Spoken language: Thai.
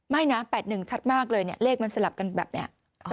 ไม่นะ๘๑ชัดมากเลยเนี่ยเลขมันสลับกันแบบนี้